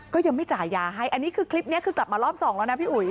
ก็ยังไม่จ่ายยาให้อันนี้คือคลิปนี้คือกลับมารอบสองแล้วนะพี่อุ๋ย